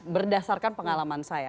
berdasarkan pengalaman saya